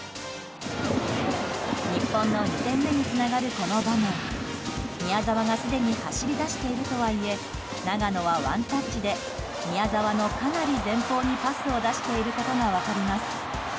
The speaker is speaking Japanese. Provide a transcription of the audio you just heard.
日本の２点目につながるこの場面宮澤がすでに走り出しているとはいえ長野はワンタッチで宮澤のかなり前方にパスを出していることが分かります。